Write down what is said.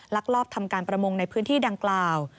ลักลอบทำการประมงในพื้นที่ดังกล่าว